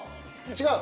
違う？